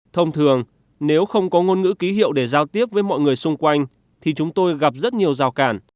thông thường nếu không có ngôn ngữ ký hiệu để giao tiếp với mọi người xung quanh thì chúng tôi gặp rất nhiều rào cản